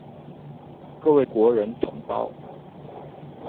各位國人同胞